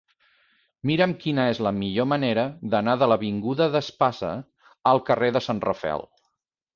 Mira'm quina és la millor manera d'anar de l'avinguda d'Espasa al carrer de Sant Rafael.